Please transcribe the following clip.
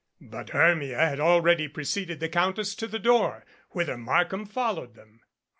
But Hermia had already preceded the Countess to the door, whither Markham followed them.